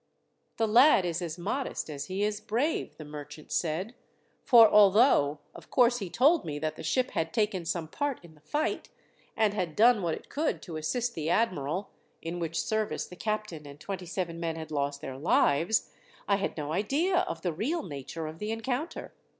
"The lad is as modest as he is brave," the merchant said, "for although, of course, he told me that the ship had taken some part in the fight, and had done what it could to assist the admiral, in which service the captain and twenty seven men had lost their lives, I had no idea of the real nature of the encounter.